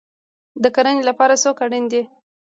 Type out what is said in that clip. د کرنې لپاره څوک اړین دی؟